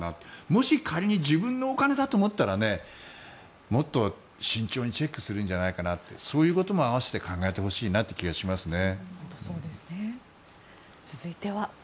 もし仮に自分のお金だと思ったらもっと慎重にチェックするんじゃないかなってそういうことも併せて考えてほしいなという気もしますね。